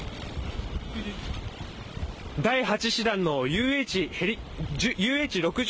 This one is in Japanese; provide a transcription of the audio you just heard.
第８師団のＵＨ６０